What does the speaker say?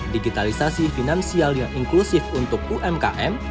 digitalisasi finansial yang inklusif untuk umkm